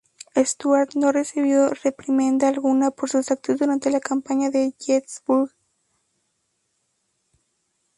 Stuart no recibió reprimenda alguna por sus actos durante la campaña de Gettysburg.